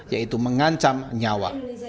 yaitu mengancam nyawa